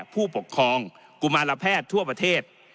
ผู้ปกครองกุมารแพทย์ทั่วประเทศ